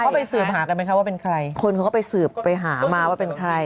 เขาไปสืบหากันไหมคะว่าเป็นใครคนเขาก็ไปสืบไปหามาว่าเป็นใคร